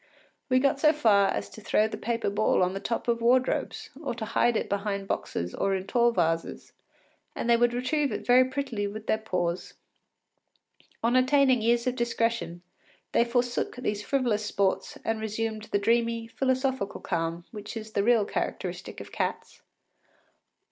We got so far as to throw the paper ball on the top of wardrobes, or to hide it behind boxes or in tall vases, and they would retrieve it very prettily with their paws. On attaining years of discretion, they forsook these frivolous sports and resumed the dreamy, philosophical calm which is the real characteristic of cats.